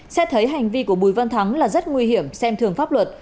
xét thấy hành vi của bùi văn thắng là rất nguy hiểm xem thường pháp luật